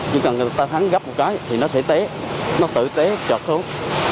chứ cần người ta thắng gấp một cái thì nó sẽ té nó tự té trợt thôi